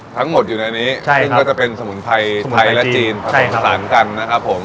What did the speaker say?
ทั้งหมดอยู่ในนี้ซึ่งก็จะเป็นสมุนไพรไทยและจีนผสมผสานกันนะครับผม